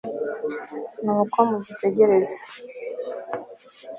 nuko muzitegereze